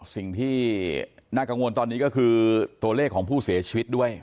สิ่งที่น่ากังวลตอนนี้ก็คือตัวเลขของผู้เสียชีวิตด้วย